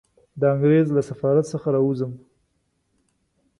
د انګریز له سفارت څخه را ووځم.